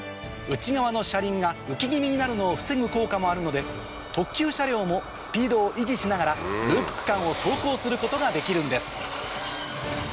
内側の車輪が浮き気味になるのを防ぐ効果もあるので特急車両もスピードを維持しながらループ区間を走行することができるんです